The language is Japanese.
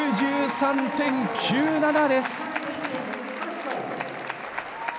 １１３．９７です！